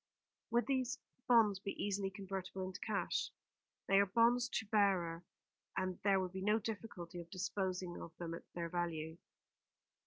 "Would these bonds be easily convertible into cash?" "They are bonds to bearer, and there would be no difficulty of disposing of them at their value."